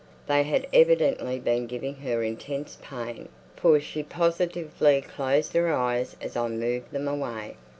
They had evidently been giving her intense pain, for she positively closed her eyes as I moved them away.